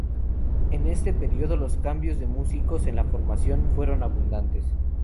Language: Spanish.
En este periodo, los cambios de músicos en la formación fueron abundantes.